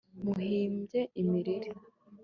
Muhimbye imiriri